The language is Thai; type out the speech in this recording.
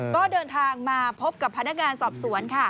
ก็เดินทางมาพบกับพนักงานสอบสวนค่ะ